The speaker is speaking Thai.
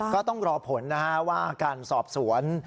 ก็ต้องรอผลนะฮะว่าการสอบสวน